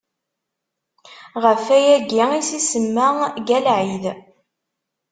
Ɣef wayagi i s-isemma Galɛid.